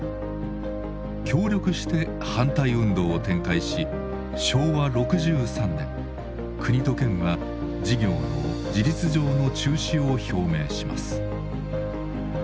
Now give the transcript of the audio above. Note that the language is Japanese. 協力して反対運動を展開し昭和６３年国と県は事業の事実上の中止を表明します。